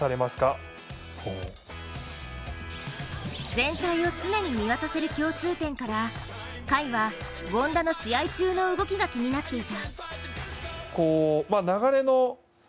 全体を常に見渡せる共通点から権田の試合中の動きが気になっていた。